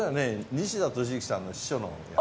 西田敏行さんの秘書の役。